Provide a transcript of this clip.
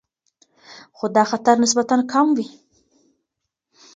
خو دا خطر نسبتاً کم وي.